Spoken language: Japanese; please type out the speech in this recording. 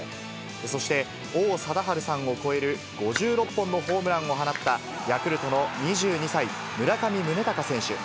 そして王貞治さんを超える５６本のホームランを放った、ヤクルトの２２歳、村上宗隆選手。